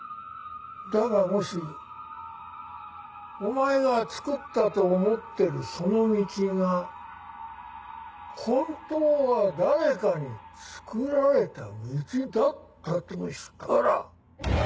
だがもしお前がつくったと思ってるその道が本当は誰かにつくられた道だったとしたら。